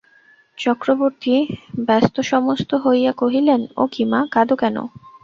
চক্রবর্তী ব্যস্তসমস্ত হইয়া কহিলেন, ও কী, মা, কাঁদ কেন?